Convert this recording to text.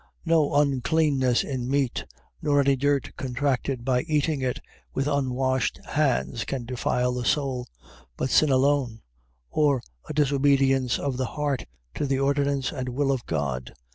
.No uncleanness in meat, nor any dirt contracted by eating it with unwashed hands, can defile the soul: but sin alone; or a disobedience of the heart to the ordinance and will of God.